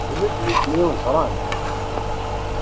Ula d nitni ẓran-t.